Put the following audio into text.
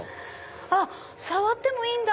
あっ触ってもいいんだ。